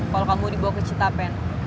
kalau kamu dibawa ke citapen